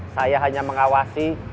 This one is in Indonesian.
saya hanya mengawasi